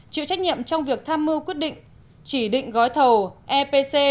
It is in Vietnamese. chịu trách nhiệm trong việc tham mưu quyết định chỉ định gói thầu epc